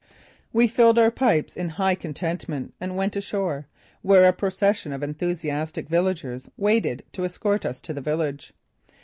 We filled our pipes in high contentment and went ashore, where a procession of enthusiastic villagers waited to escort us to the village.